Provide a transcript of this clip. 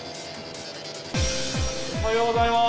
おはようございます。